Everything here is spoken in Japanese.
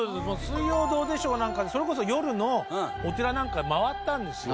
『水曜どうでしょう』なんかでそれこそ夜のお寺なんか回ったんですよ。